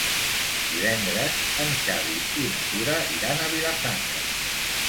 Divendres en Xavi i na Tura iran a Vilafranca.